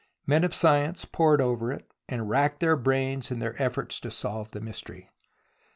Men of science pored over it and racked their brains in their efforts to solve the mystery.